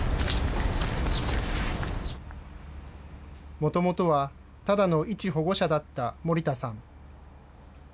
もともとはただの一保護者だった森田さん。